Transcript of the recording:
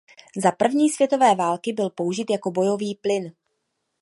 Za první světové války byl použit jako bojový plyn.